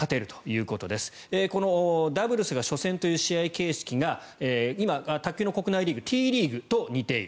このダブルスが初戦という試合形式が今、卓球の国内リーグＴリーグと似ている。